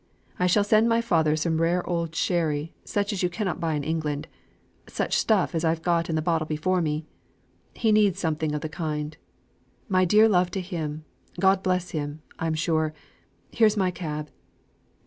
I shall send my father some rare old sherry, such as you cannot buy in England, (such stuff as I've got in the bottle before me)! He needs something of the kind my dear love to him God bless him. I'm sure here's my cab.